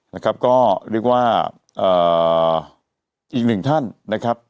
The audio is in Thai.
นะครับก็เรียกว่าอีกหนึ่งท่านนะครับ